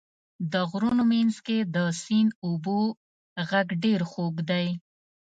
د غرونو منځ کې د سیند اوبو غږ ډېر خوږ دی.